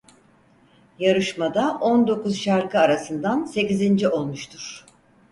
Yarışmada on dokuz şarkı arasından sekizinci olmuştur.